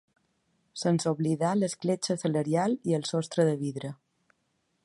Sense oblidar l’escletxa salarial i el sostre de vidre.